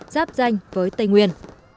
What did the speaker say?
giáp danh với tây nguyên